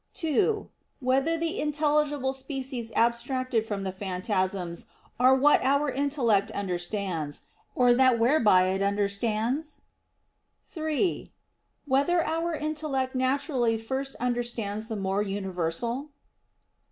(2) Whether the intelligible species abstracted from the phantasms are what our intellect understands, or that whereby it understands? (3) Whether our intellect naturally first understands the more universal?